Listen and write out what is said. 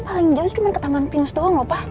paling jauh cuma ke taman pinus doang lho pak